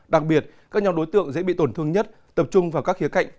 đặc biệt các nhóm đối tượng dễ bị tổn thương nhất tập trung vào các khía cạnh